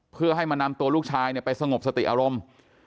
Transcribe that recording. เพื่อให้มานำตัวลูกชายไปสงบสติอารมณ์